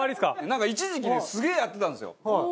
なんか一時期ねすげえやってたんですよ。